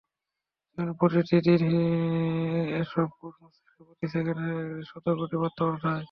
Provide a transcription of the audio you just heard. জীবনের প্রতিটি দিন এসব কোষ মস্তিষ্কে প্রতি সেকেন্ডে শতকোটি বার্তা পাঠায়।